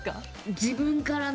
自分からね。